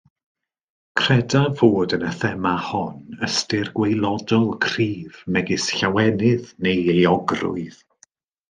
Credaf fod yn y thema hon ystyr gwaelodol cryf megis llawenydd neu euogrwydd.